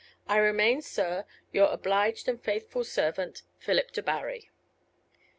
I remain, sir, your obliged and faithful servant, PHILIP DEBARRY.